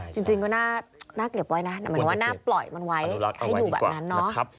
จริงก็น่าเกลียดไว้นะมันก็ว่าน่าปล่อยมันไว้ให้อยู่แบบนั้นนะ